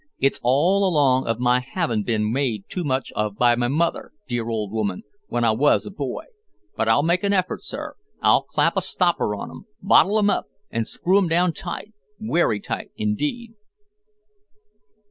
It's all along of my havin' bin made too much of by my mother, dear old woman, w'en I was a boy. But I'll make a effort, sir; I'll clap a stopper on 'em bottle 'em up and screw 'em down tight, werry tight indeed."